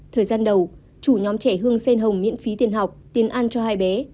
thời gian đầu chủ nhóm trẻ hương sen hồng miễn phí tiền học tiền ăn cho hai bé